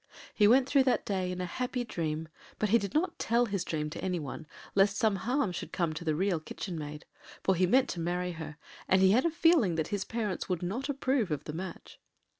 He went through that day in a happy dream; but he did not tell his dream to any one, lest some harm should come to the Real Kitchen Maid. For he meant to marry her, and he had a feeling that his parents would not approve of the match.